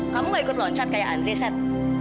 kamu nggak ikut loncat kayak andri sat